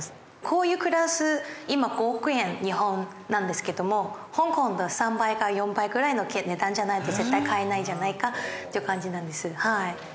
こういうクラス今５億円日本なんですけども香港だったら３倍から４倍ぐらいの値段じゃないと絶対買えないんじゃないかっていう感じなんです。